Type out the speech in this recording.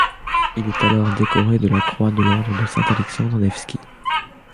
Il est alors décoré de la croix de l'Ordre de Saint-Alexandre Nevski.